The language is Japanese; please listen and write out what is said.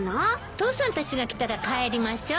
父さんたちが来たら帰りましょう。